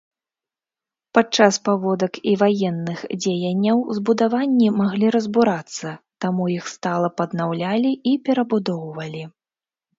Падчас паводак і ваенных дзеянняў збудаванні маглі разбурацца, таму іх стала паднаўлялі і перабудоўвалі.